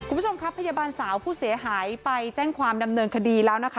คุณผู้ชมครับพยาบาลสาวผู้เสียหายไปแจ้งความดำเนินคดีแล้วนะคะ